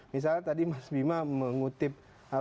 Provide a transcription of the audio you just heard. misalnya tadi mas bima mengutip